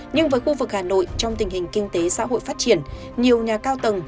nhưng với khu vực hà nội trong tình hình kinh tế xã hội phát triển nhiều nhà cao tầng